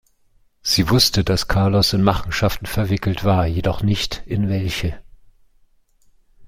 Sie wusste, dass Carlos in Machenschaften verwickelt war, jedoch nicht, in welche.